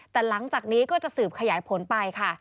แต่หลังจากนี้ก็จะสืบขยายผลไปค่ะ